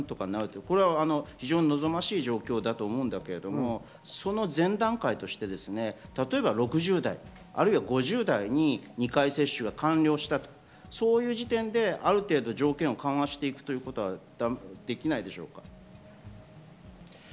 それは望ましい状況だと思うんだけれどもその前段階として、例えば６０代、５０代に２回の接種が完了したという時点である程度、条件を緩和していくということはできないでしょうか？